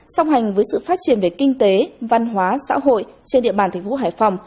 song hành với sự phát triển về kinh tế văn hóa xã hội trên địa bàn thành phố hải phòng